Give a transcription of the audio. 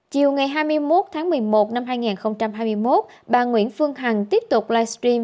chiều ngày hai mươi một tháng một mươi một năm hai nghìn hai mươi một bà nguyễn phương hằng tiếp tục livestream